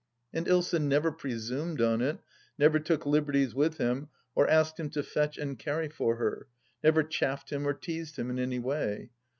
And Ilsa never presumed on it, never took liberties with him, or asked him to fetch and carry for her ; never chaffed him or teased him in any way.